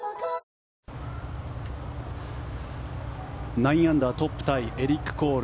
９アンダートップタイエリック・コール。